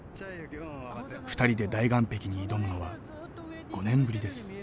２人で大岩壁に挑むのは５年ぶりです。